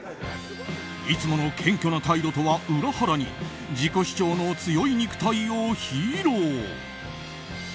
いつもの謙虚な態度とは裏腹に自己主張の強い肉体を披露。